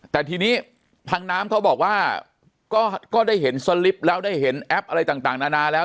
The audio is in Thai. แต่ทีนี้ทางน้ำเขาบอกว่าก็ได้เห็นสลิปแล้วได้เห็นแอปอะไรต่างนานาแล้ว